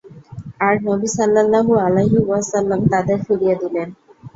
আর নবী সাল্লাল্লাহু আলাইহি ওয়াসাল্লাম তাদের ফিরিয়ে দিলেন।